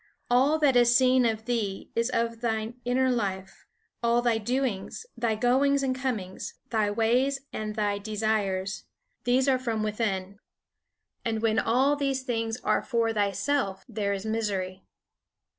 All that is seen of thee is of thy inner life. All thy doings, thy goings and comings, thy ways and thy desires, these are from within. And when all these things are for thyself there is misery.